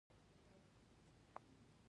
ایا مصنوعي ځیرکتیا د شعور لرونکې پدیده نه ده؟